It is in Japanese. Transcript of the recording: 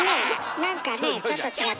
なんかねちょっと違ったね。